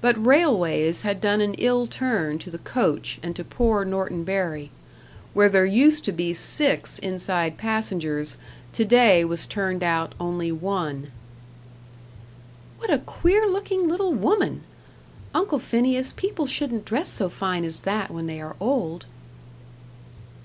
But railways had done an ill turn to the coach and to poor Norton Bury: where there used to be six inside passengers, to day was turned out only one. "What a queer looking little woman! Uncle Phineas, people shouldn't dress so fine as that when they are old."